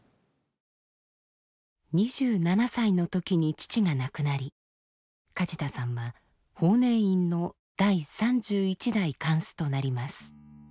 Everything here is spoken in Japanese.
２７歳の時に父が亡くなり梶田さんは法然院の第３１代貫主となります。